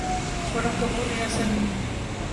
سونم کپور نے اسل